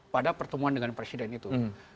pada pertemuan dengan presiden itu